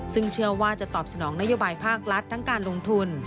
ซึ่งเชื่อว่าจะตอบสนองนโยบายภาครัฐทั้งการลงทุน